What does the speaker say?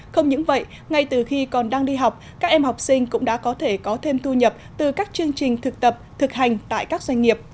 không những vậy ngay từ khi còn đang đi học các em học sinh cũng đã có thể có thêm thu nhập từ các chương trình thực tập thực hành tại các doanh nghiệp